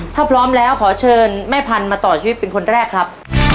ถ้าพร้อมแล้วขอเชิญแม่พันธุ์มาต่อชีวิตเป็นคนแรกครับ